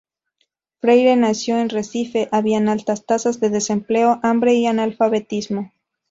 Freire nació en Recife, había altas tasas de desempleo, hambre y analfabetismo.